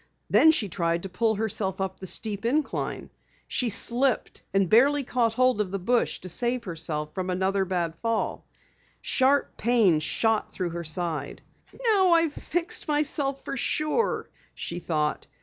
Then she tried to pull herself up the steep incline. She slipped and barely caught hold of the bush to save herself from another bad fall. Sharp pains shot through her side. "Now I've fixed myself for sure," she thought.